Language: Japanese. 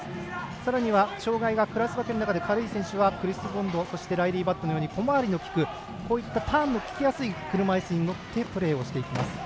さらには障がいがクラス分けの中で軽い選手はクリス・ボンドそしてライリー・バットのように小回りの効くターンの効きやすい車いすに乗ってプレーをしていきます。